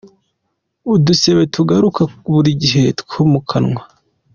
Udusebe tugaruka buri gihe two mu kanwa,.